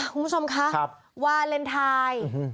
คุณผู้ชมคะวาเลนไทย